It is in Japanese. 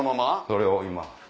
それを今。